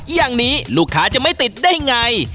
อย่างนี้ลูกค้าจะไม่ติดได้ไง